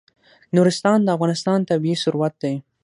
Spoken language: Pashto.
نورستان د افغانستان طبعي ثروت دی.